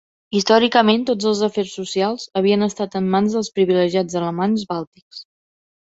Històricament, tots els afers socials havien estat en mans dels privilegiats alemanys bàltics.